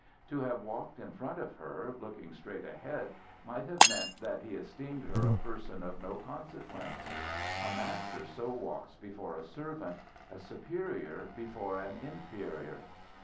To have walked in front of her, looking straight ahead, might have meant that he esteemed her a person of no consequence. A master so walks before a servant, a superior before an inferior.